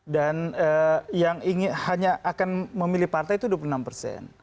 dan yang hanya akan memilih partai itu dua puluh enam persen